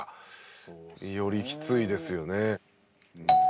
そうっすね。よりきついですよね。